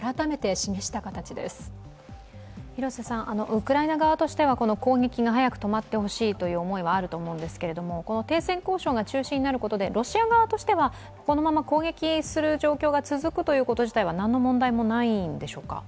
ウクライナ側としては攻撃が早く止まってほしいという思いはあると思うんですけれども、停戦交渉が中止になることでロシア側としてはこのまま攻撃する状況が続くということ自体は何の問題もないんでしょうか？